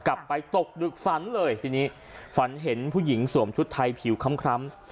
กลับไปตกดึกฝันเลยทีนี้ฝันเห็นผู้หญิงสวมชุดไทยผิวคล้ำ